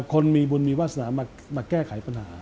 คนมีบุญมีวาสนามาแก้ไขปัญหา